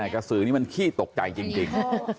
กระสือนี่มันขี้ตกใจจริง